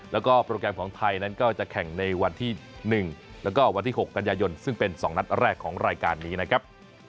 แล้วก็โปรแกรมของไทยนั้นก็จะแข่งในวันที่๑แล้วก็วันที่๖กันยายนซึ่งเป็น๒นัดแรกของรายการนี้นะครับ